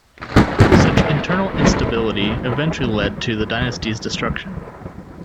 Such internal instability eventually led to the dynasty's destruction.